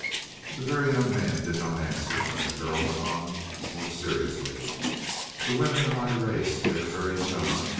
The Very Young Man did not answer, and the girl went on more seriously. "The women of my race, they are very just.